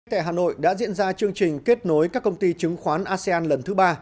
tại hà nội đã diễn ra chương trình kết nối các công ty chứng khoán asean lần thứ ba